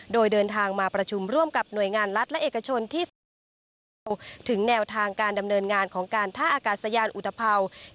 โดยเดินทางมาประชุมร่วมกับหน่วยงานรัฐและเอกชนที่แสดงออกถึงแนวทางการดำเนินงานของการท่าอากาศยานอุทธภาว